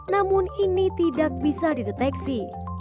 namun ini tidak bisa dideteksi